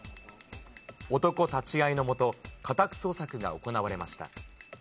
男立ち会いのもと、家宅捜索が行われました。